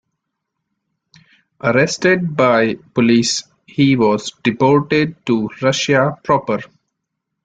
Arrested by police, he was deported to Russia proper.